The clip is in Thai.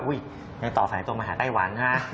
อุ๊ยยังต่อสายตรงมาหาใต้หวัง